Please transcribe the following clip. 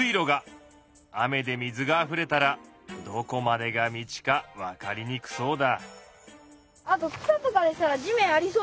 雨で水があふれたらどこまでが道か分かりにくそうだ。